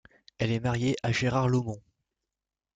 Elle est mariée à Gérard Laumon.